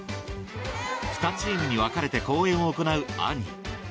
２チームに分かれて公演を行う『アニー』